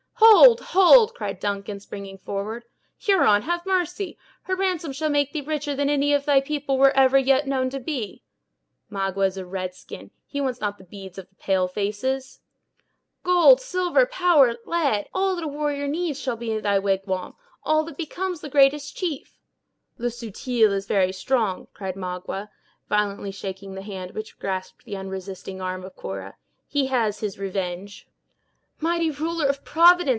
"Hold, hold!" cried Duncan, springing forward; "Huron, have mercy! her ransom shall make thee richer than any of thy people were ever yet known to be." "Magua is a red skin; he wants not the beads of the pale faces." "Gold, silver, powder, lead—all that a warrior needs shall be in thy wigwam; all that becomes the greatest chief." "Le Subtil is very strong," cried Magua, violently shaking the hand which grasped the unresisting arm of Cora; "he has his revenge!" "Mighty ruler of Providence!"